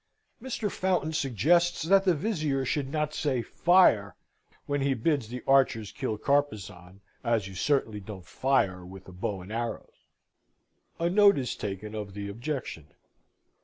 Mr. Fountain suggests that the Vizier should not say "Fire!" when he bids the archers kill Carpezan, as you certainly don't fire with a bow and arrows. A note is taken of the objection.